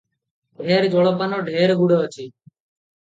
ଢେର ଜଳପାନ, ଢେର ଗୁଡ଼ ଅଛି